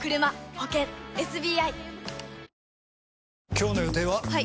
今日の予定は？